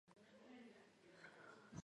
ადმინისტრაციული ცენტრია ქალაქი ლომი.